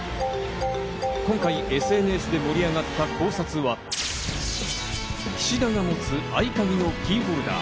今回、ＳＮＳで盛り上がった考察は、菱田が持つ合鍵のキーホルダー。